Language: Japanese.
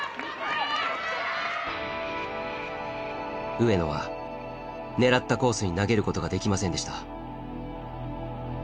上野は狙ったコースに投げることができませんでした。